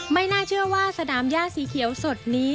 ไม่น่าเชื่อว่าสนามย่าสีเขียวสดนี้